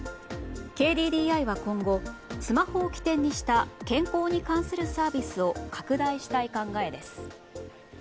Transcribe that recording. ＫＤＤＩは今後スマホを起点にした健康に関するサービスを拡大したい考えです。